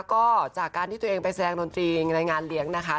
ก็จากการที่ตัวเองไปแสดงดนตรีในงานเลี้ยงนะคะ